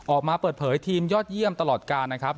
ออกมาเปิดเผยทีมยอดเยี่ยมตลอดการนะครับ